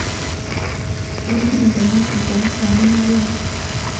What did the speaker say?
Ebyenjigiriza mu Afrika bikyali mabega.